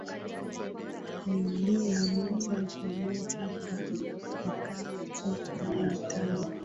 mimea moja kwa moja wakati Mia Tano